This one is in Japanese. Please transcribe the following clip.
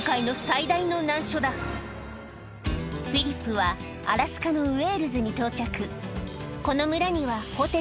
今回のフィリップはアラスカのウェールズに到着